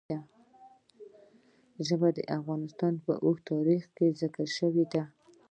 ژبې د افغانستان په اوږده تاریخ کې ذکر شوی دی.